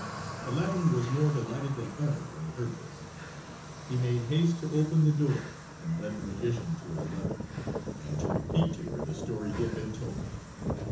Aladdin was more delighted than ever when he heard this. He made haste to open the door and lead the magician to his mother, and to repeat to her the story he had been told.